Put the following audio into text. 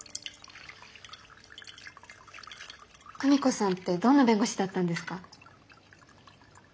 久美子さんってどんな弁護士だったんですか？